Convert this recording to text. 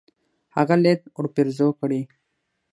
هغه ليد ورپېرزو کړي.